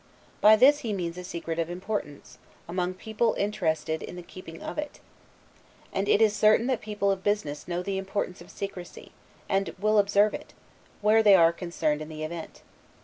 By this he means a secret of importance, among people interested in the keeping of it. And it is certain that people of business know the importance of secrecy, and will observe it, where they are concerned in the event.